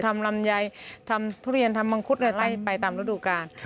ลำไยทำทุเรียนทำมังคุดอะไรไล่ไปตามฤดูกาล